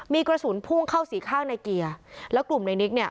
มีกระสุนพุ่งเข้าสี่ข้างในเกียร์แล้วกลุ่มในนิกเนี่ย